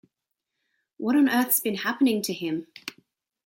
What on earth's been happening to him?